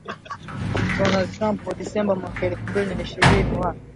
Donald Trump wa Disemba mwaka elfu mbili na ishirini wa